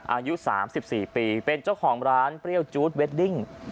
อายุ๓๔ปีเป็นเจ้าของร้านเปรี้ยวจู๊ดเวดดิ้ง